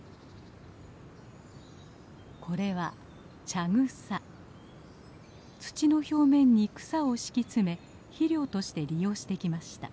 これは土の表面に草を敷き詰め肥料として利用してきました。